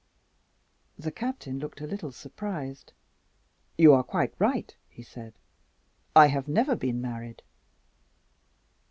The Captain looked a little surprised. "You are quite right," he said; "I have never been married."